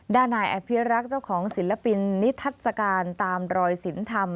ด้านนายอภิรักษ์เจ้าของศิลปินนิทัศกาลตามรอยศิลป์ธรรม